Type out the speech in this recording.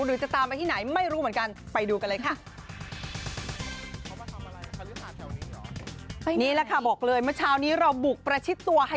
หรือจะตามไปที่ไหนไม่รู้เหมือนกันไปดูกันเลยค่ะ